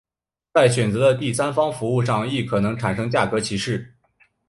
在选择的第三方服务上亦可能产生价格歧视。